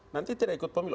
nanti tidak ikut pemilih